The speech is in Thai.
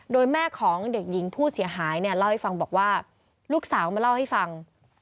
โดยแม่ของเด็กหญิงผู้เสียหายเนี่ยเล่าให้ฟังบอกว่าลูกสาวมาเล่าให้ฟัง